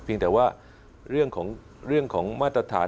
แต่ว่าเรื่องของมาตรฐาน